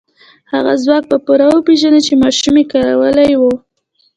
هغه ځواک به پوره وپېژنئ چې ماشومې کارولی و.